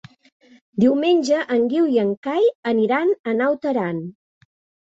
Diumenge en Guiu i en Cai aniran a Naut Aran.